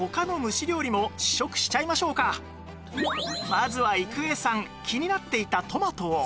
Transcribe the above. まずは郁恵さん気になっていたトマトを